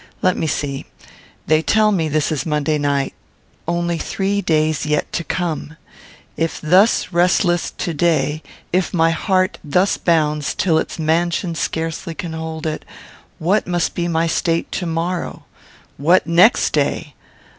Let me see; they tell me this is Monday night. Only three days yet to come! If thus restless to day; if my heart thus bounds till its mansion scarcely can hold it, what must be my state to morrow! What next day!